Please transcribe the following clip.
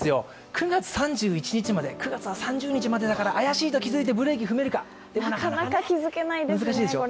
９月３１日まで、９月は３０日までだから、怪しいと気づいて、ブレーキ踏めるか、難しいでしょ。